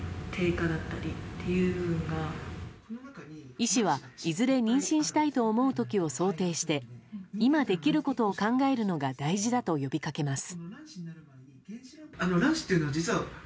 医師は、いずれ妊娠したいと思う時を想定して今できることを考えるのが大事だと呼びかけます。